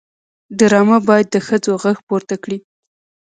ډرامه باید د ښځو غږ پورته کړي